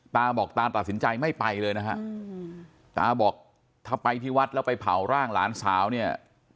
ตาบอกตาตัดสินใจไม่ไปเลยนะฮะตาบอกถ้าไปที่วัดแล้วไปเผาร่างหลานสาวเนี่ย